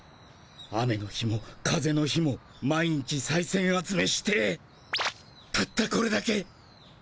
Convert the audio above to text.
雨の日も風の日も毎日さいせん集めしてたったこれだけ。